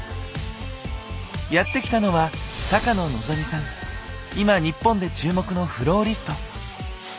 やって来たのは今日本で注目のフローリスト。